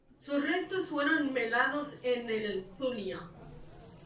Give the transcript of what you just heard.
Sus restos fueron velados en el Zulia.